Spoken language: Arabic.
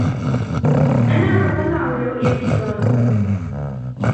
أنا أتتطلع لرؤية توم.